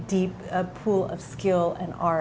karya yang sangat intensif dan berdiri